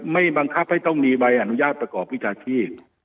บังคับให้ต้องมีใบอนุญาตประกอบวิชาชีพ